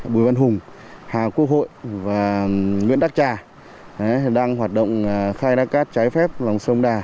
bùi văn hùng hà quốc hội và nguyễn đắc trà đang hoạt động khai thác cát trái phép lòng sông đà